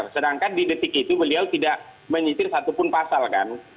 sedangkan di detik itu beliau tidak menyisir satupun pasal kan